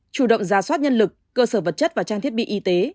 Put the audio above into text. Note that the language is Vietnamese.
chủ động ra soát nhân lực cơ sở vật chất và trang thiết bị y tế